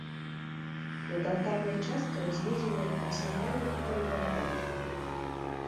Над алтарнай часткай узведзены васьмігранны купальны барабан.